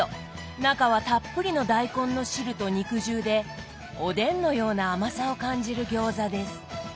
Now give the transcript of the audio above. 中はたっぷりの大根の汁と肉汁でおでんのような甘さを感じる餃子です。